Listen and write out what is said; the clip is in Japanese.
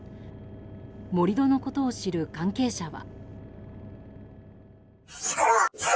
盛り土のことを知る関係者は。